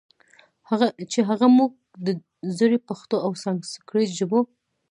چې هغه موږ د زړې پښتو او سانسکریت ژبو